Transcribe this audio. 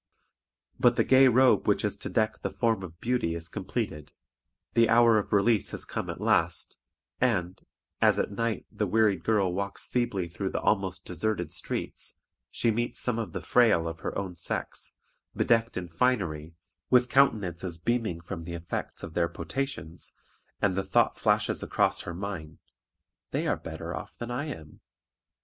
But the gay robe which is to deck the form of beauty is completed; the hour of release has come at last; and, as at night the wearied girl walks feebly through the almost deserted streets, she meets some of the frail of her own sex, bedecked in finery, with countenances beaming from the effects of their potations, and the thought flashes across her mind, "They are better off than I am."